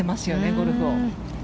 ゴルフを。